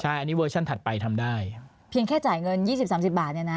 ใช่อันนี้เวอร์ชันถัดไปทำได้เพียงแค่จ่ายเงินยี่สิบสามสิบบาทเนี่ยนะ